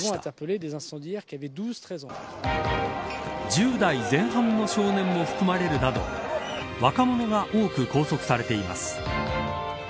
１０代前半の少年も含まれるなど若者が多く拘束されています。